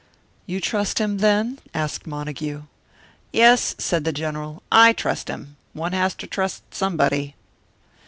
"You trust him, then?" asked Montague. "Yes," said the General, "I trust him. One has to trust somebody."